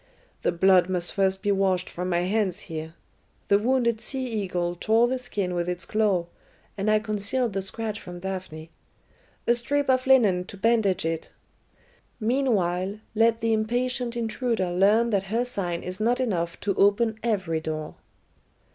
The blood must first be washed from my hands here. The wounded sea eagle tore the skin with its claw, and I concealed the scratch from Daphne. A strip of linen to bandage it! Meanwhile, let the impatient intruder learn that her sign is not enough to open every door."